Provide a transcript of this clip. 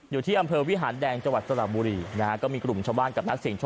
อยู่ที่อำเภอวิหารแดงจังหวัดสระบุรีนะฮะก็มีกลุ่มชาวบ้านกับนักเสียงโชค